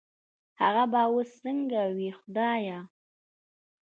هغه به وس سنګه وي خدايه